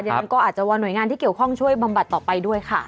งั้นก็อาจจะวอนหน่วยงานที่เกี่ยวข้องช่วยบำบัดต่อไปด้วยค่ะ